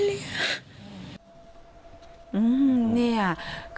เขาไม่ให้เรียก